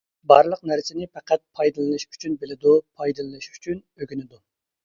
بارلىق نەرسىنى پەقەت پايدىلىنىش ئۈچۈن بىلىدۇ، پايدىلىنىش ئۈچۈن ئۆگىنىدۇ.